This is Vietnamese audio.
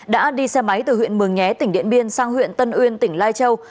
đã đi xe máy từ huyện mường nhé tỉnh điện biên sang huyện tân uyên tỉnh lai châu